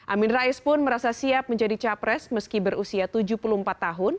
amin rais pun merasa siap menjadi capres meski berusia tujuh puluh empat tahun